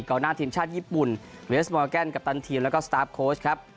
หน้าทีมชาติญี่ปุ่นเวสมอร์แกนกัปตันทีมแล้วก็สตาร์ฟโค้ชครับ